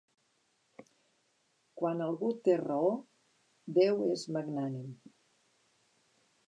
Quan algú té raó, déu és magnànim.